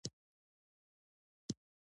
تر څو مکروبونه واضح او ښکاره ولیدل شي.